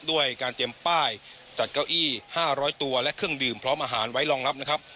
ด้วยการเตรียมป้ายจัดเก้าอี้๕๐๐ตัวและเครื่องดื่มพร้อมอาหารไว้รองรับนะครับ